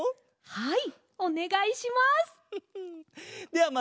はい！